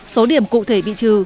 số điểm cụ thể bị trừ